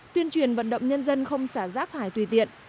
tuyên truyền vận động nhân dân không xả rác thải tùy tiện